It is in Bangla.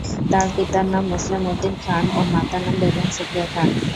তার পিতার নাম মোসলেম উদ্দিন খান ও মাতার নাম বেগম সুফিয়া খান।